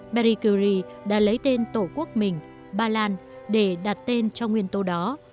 marie curie đã lấy tên tổ quốc mình ba lan để đặt tên cho nguyên tố đó